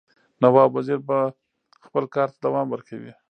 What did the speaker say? نواب وزیر به خپل کارته دوام ورکوي.